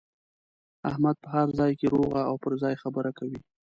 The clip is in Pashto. احمد په هر ځای کې روغه او پر ځای خبره کوي.